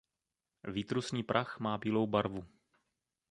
Výtrusný prach má bílou barvu.